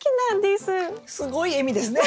すごい笑みですね。